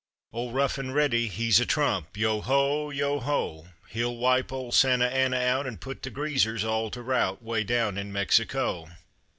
Old Rough and Ready, he's a trump, Yeo ho, yeo ho! He'll wipe old Santa Anna out And put the greasers all to rout, Way down in Mexico.